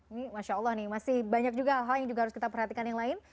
ini masya allah nih masih banyak juga hal hal yang juga harus kita perhatikan yang lain